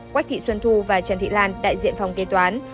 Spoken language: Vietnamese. quách thị xuân thu và trần thị lan đại diện phòng kế toán